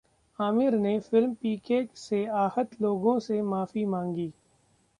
आमिर ने फिल्म 'पीके' से आहत लोगों से माफी मांगी